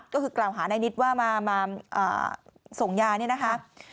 ก็คือกล่าวหานายนิดว่ามาส่งยาเนี่ยนะคะ